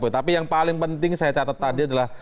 tapi yang paling penting saya catat tadi adalah